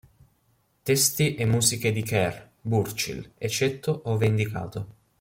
Testi e musiche di Kerr, Burchill, eccetto ove indicato.